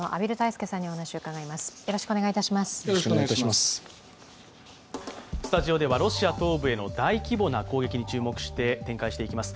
スタジオではロシア東部への大規模な攻撃に注目して展開していきます。